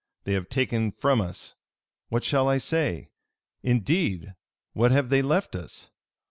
They have taken from us What shall I say? Indeed, what have they left us?